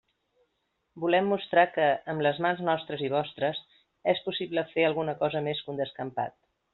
Volem mostrar que, amb les mans nostres i vostres, és possible fer alguna cosa més que un descampat.